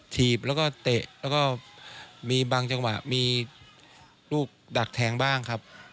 ถีบแล้วก็เตะแล้วก็มีบางจังหวะมีลูกดักแทงบ้างครับ